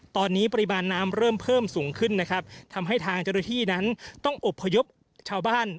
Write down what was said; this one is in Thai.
ตอนนี้ปริมาณน้ำเริ่มเพิ่มสูงขึ้นนะครับทำให้ทางเจ้าหน้าที่นั้นต้องอบพยพชาวบ้าน